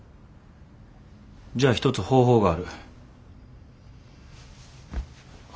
じゃあ一つ方法がある。